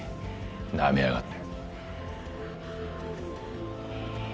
なめやがって。